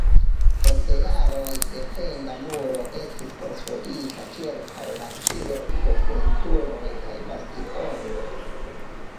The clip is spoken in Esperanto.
Post jaroj defenda muro estis konstruita ĉirkaŭ la kirko kun turoj kaj bastionoj.